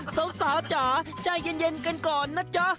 สาวจ๋าใจเย็นกันก่อนนะจ๊ะ